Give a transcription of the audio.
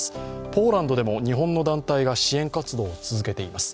ポーランドでも日本の団体が支援活動を続けています。